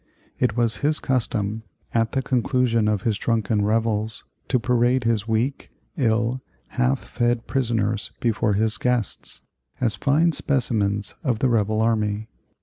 It was his custom at the conclusion of his drunken revels to parade his weak, ill, half fed prisoners before his guests, as fine specimens of the rebel army.